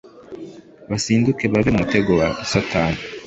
basinduke bave mu mutego wa Satani